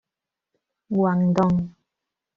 Guangdong.